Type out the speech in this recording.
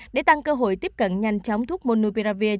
để tăng cơ hội tiếp cận nhanh chóng thuốc monopia